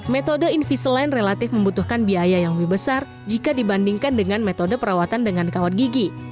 metode invisaline relatif membutuhkan biaya yang lebih besar jika dibandingkan dengan metode perawatan dengan kawat gigi